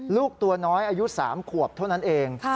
ลูกตัวน้อยอายุ๓ขวบเท่านั้นเอง